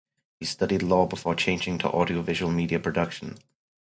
He studied law before changing to audiovisual media production.